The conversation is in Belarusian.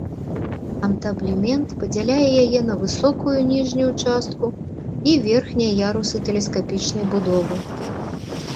Антаблемент падзяляе яе на высокую ніжнюю частку і верхнія ярусы тэлескапічнай будовы.